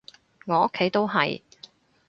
我屋企都係